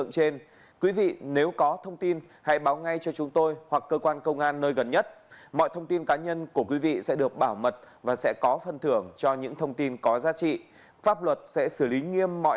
xin chào tạm biệt và hẹn gặp lại